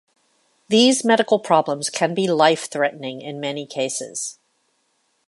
These medical problems can be life-threatening in many cases.